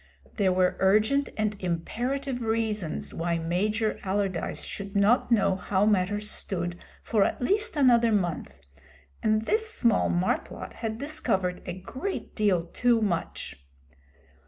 There were urgent and imperative reasons why Major Allardyce should not know how matters stood for at least another month, and this small marplot had discovered a great deal too much.